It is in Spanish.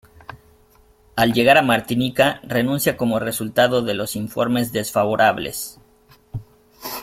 Al llegar a Martinica renuncia como resultado de los informes desfavorables.